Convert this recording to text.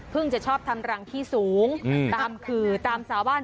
จะชอบทำรังที่สูงตามขื่อตามสาบ้าน